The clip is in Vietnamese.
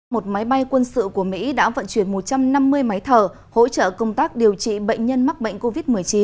một máy bay quân sự của mỹ đã vận chuyển một trăm năm mươi máy thở hỗ trợ công tác điều trị bệnh nhân mắc bệnh covid một mươi chín